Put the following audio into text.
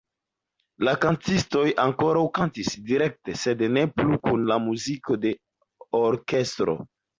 La kantistoj ankoraŭ kantis direkte sed ne plu kun la muziko de orkestro.